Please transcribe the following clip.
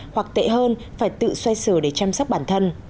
hoặc tệ hơn phải tự xoay sở để chăm sóc bản thân